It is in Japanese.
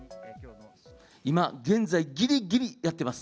今現在、ぎりぎりやってます。